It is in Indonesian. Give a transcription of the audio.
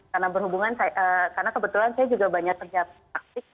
karena kebetulan saya juga banyak kerja praktik